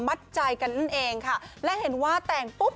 มัดใจกันนั่นเองค่ะและเห็นว่าแต่งปุ๊บ